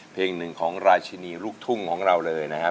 เพลงหนึ่งของราชินีลูกทุ่งของเราเลยนะครับ